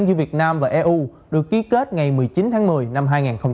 giữa việt nam và eu được ký kết ngày một mươi chín tháng một mươi năm hai nghìn hai mươi